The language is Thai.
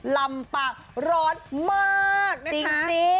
ลำปากร้อนมากนะครับที่จริง